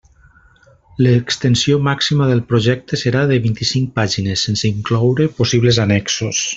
L'extensió màxima del projecte serà de vint-i-cinc pàgines, sense incloure possibles annexos.